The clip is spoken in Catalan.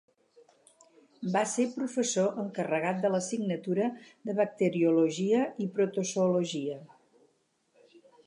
Va ser Professor encarregat de l'assignatura de Bacteriologia i Protozoologia.